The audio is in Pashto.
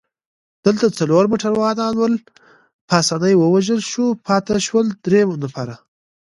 دلته څلور موټروانان ول، پاسیني ووژل شو، پاتې شول درې نفره.